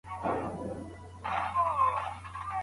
څنګه سوداګریز شرکتونه قیمتي ډبرې هند ته لیږدوي؟